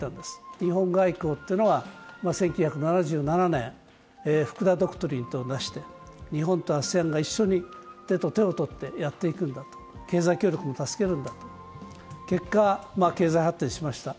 日本外交というのは１９７７年、福田ドクトリンというのを出して、日本とＡＳＥＡＮが一緒に手を取ってやってくんだ、経済発展を助けるんだ結果、経済発展しました。